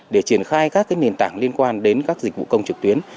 để triển khai các nền tảng liên quan đến các dịch vụ công trực tuyến